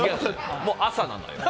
もう朝なのよ。